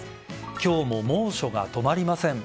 今日も猛暑が止まりません。